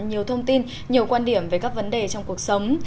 nhiều thông tin nhiều quan điểm về các vấn đề trong cuộc sống